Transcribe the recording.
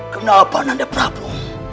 kenapa nanda prabu